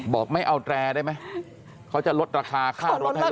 บอกไม่เอาแตรได้ไหมเขาจะลดราคาค่ารถให้